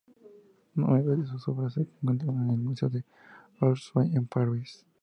Nueve de sus obras se encuentran en el Museo de Orsay en París.